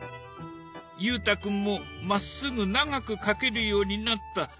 裕太君もまっすぐ長く描けるようになった。